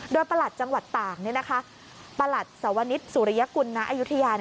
โดยประหลัดจังหวัดตากประหลัดสวนิษฐสุริยกุลณอายุทยา